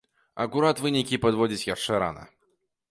Акурат вынікі падводзіць яшчэ рана.